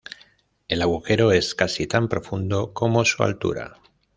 El agujero es casi tan profundo como su altura.